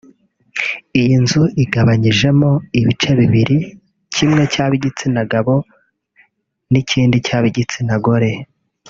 Iyi nzu igabanyijemo ibice bibiri kimwe cy’ab’igitsina gabo n’ikindi cy’ab’igitsina gore